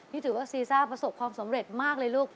นี่ถือว่าซีซ่าประสบความสำเร็จมากเลยลูก